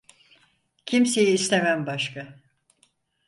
Kimseyi istemem başka